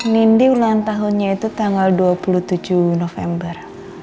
nindi ulang tahunnya itu tanggal dua puluh tujuh november